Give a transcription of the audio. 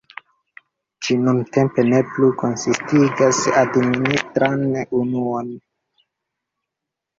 Ĝi nuntempe ne plu konsistigas administran unuon.